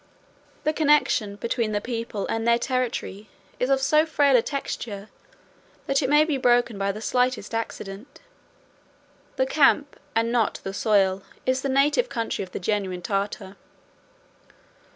The connection between the people and their territory is of so frail a texture, that it may be broken by the slightest accident. The camp, and not the soil, is the native country of the genuine Tartar.